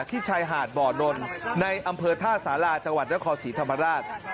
ที่ชายหาดบ่อนนในอำเภอท่าสาราจังหวัดนครศรีธรรมราช